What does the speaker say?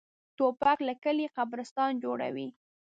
توپک له کلي قبرستان جوړوي.